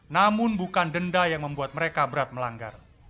namun bukan denda yang membuat mereka berat melanggar